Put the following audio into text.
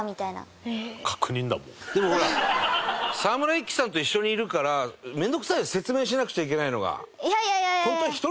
でもほら沢村一樹さんと一緒にいるから面倒くさい説明しなくちゃいけないのが。